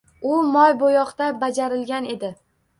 U moybo‘yoqda bajarilgan edi.